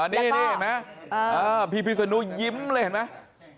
นี่เห็นไหมพี่พิศนุยิ้มเลยเห็นไหม